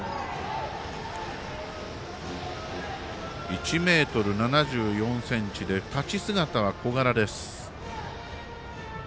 １ｍ７４ｃｍで立ち姿は小柄です。